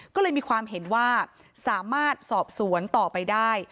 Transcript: ก็เลยมีความเห็นว่าสามารถสอบสวนต่อไปได้